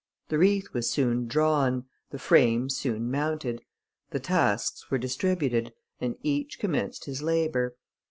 The wreath was soon drawn, the frame soon mounted; the tasks were distributed, and each commenced his labour.